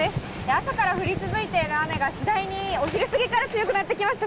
朝から降り続いている雨が、次第にお昼過ぎから強くなってきました。